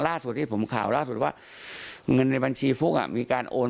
ล่าสุดที่ผมข่าวล่าสุดว่าเงินในบัญชีฟุ๊กมีการโอน